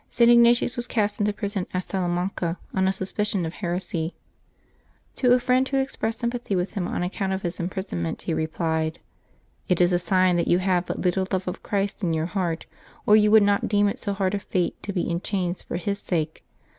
,St. Ignatius was cast into prison at Salamanca, on a suspicion of heresy. To a friend who expressed sympathy with him on account of his imprisonment, he replied, " It is a sign that you have but little love of Christ in your heart, or you would not' deem it so hard a fate to be in chains for His sake.